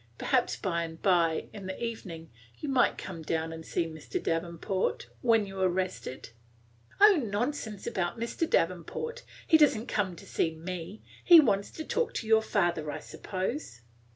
Perhaps by and by, in the evening, you might come down and see Mr. Davenport, when you are rested." "O nonsense about Mr. Davenport! he does n't come to see me. He wants to talk to your father, I suppose."